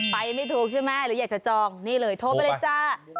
ไม่ถูกใช่ไหมหรืออยากจะจองนี่เลยโทรไปเลยจ้า